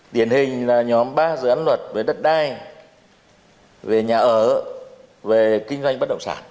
điển hình là nhóm ba dự án luật về đất đai về nhà ở về kinh doanh bất động sản